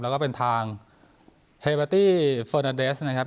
แล้วก็เป็นทางเฮเบอร์ตี้เฟอร์นาเดสนะครับ